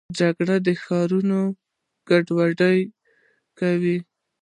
جګړه ښارونه کنډواله کوي